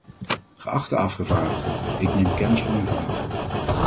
Geachte afgevaardigde, ik neem kennis van uw vraag.